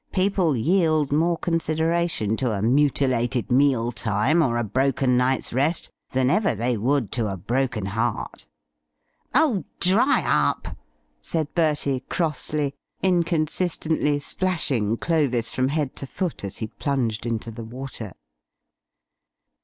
People yield more consideration to a mutilated mealtime or a broken night's rest, than ever they would to a broken heart." "Oh, dry up," said Bertie crossly, inconsistently splashing Clovis from head to foot as he plunged into the water.